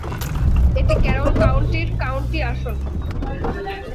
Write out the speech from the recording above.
এটি ক্যারল কাউন্টির কাউন্টি আসন।